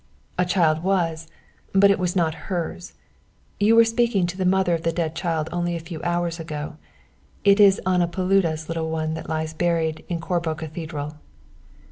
"A child was, but it was not hers. You were speaking to the mother of the dead child only a few hours ago. It is Anna Paluda's little one that lies buried in Corbo Cathedral."